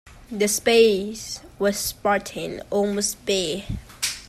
The space was spartan, almost bare.